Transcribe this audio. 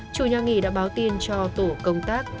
chủ nhà nghỉ đã báo tin cho tổ công tác cử ba đồng chí